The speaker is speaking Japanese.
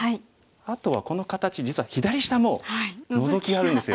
あとはこの形実は左下もノゾキあるんですよ。